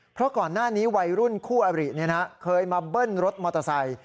เพราะก่อนหน้านี้วัยรุ่นคู่อบริเคยมาเบิ้ลรถมอเตอร์ไซค์